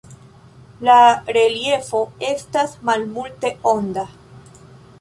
La reliefo estas malmulte onda.